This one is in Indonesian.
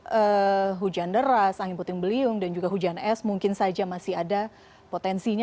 karena hujan deras angin puting beliung dan juga hujan es mungkin saja masih ada potensinya